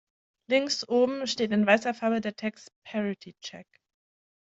Links oben steht in weißer Farbe der Text "Parity Check".